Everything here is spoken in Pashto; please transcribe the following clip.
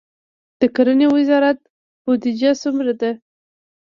د کرنې وزارت بودیجه څومره ده؟